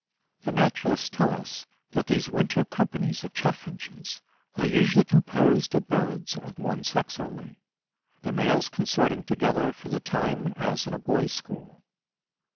The naturalists tell us that these winter companies of chaffinches are usually composed of birds of one sex only, the males consorting together for the time as in a boys' school.